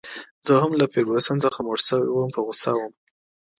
زه هم له فرګوسن څخه موړ شوی وم، په غوسه وم.